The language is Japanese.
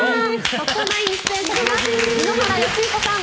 「特捜９」に出演されます井ノ原快彦さん